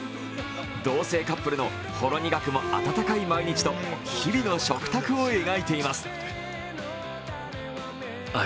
同性カップルのほろ苦くも温かい毎日と日々の食卓を描いています。